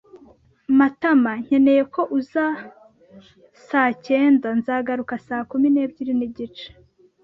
[Matama] nkeneye ko uza saa cyenda. Nzagaruka saa kumi n'ebyiri n'igice.